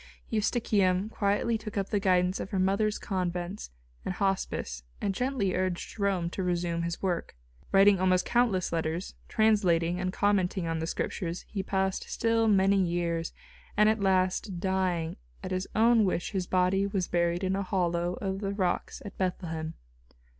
Eustochium quietly took up the guidance of her mother's convents and hospice and gently urged Jerome to resume his work. Writing almost countless letters, translating and commenting on the Scriptures he passed still many years, and at last, dying, at his own wish his body was buried in a hollow of the rocks at Bethlehem.